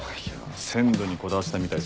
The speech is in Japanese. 鮮度にこだわってたみたいですよ。